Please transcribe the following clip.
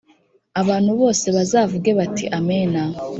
Abantu bose bazavuge bati Amen